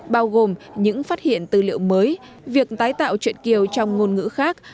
bao gồm những phát hiện tư liệu mới việc tái tạo truyện kiều trong ngôn ngữ khác